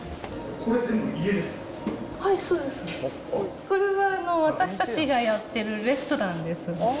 これは私たちがやってるレストランです。